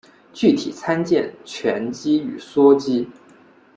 具体参见醛基与羧基。